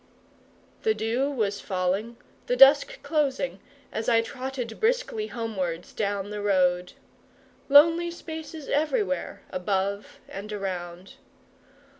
The dew was falling, the dusk closing, as I trotted briskly homewards down the road. Lonely spaces everywhere, above and around.